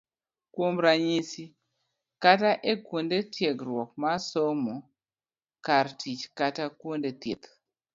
Kuom ranyisi, kaka e kuonde tiegruok mar somo, kar tich kata kuonde thieth.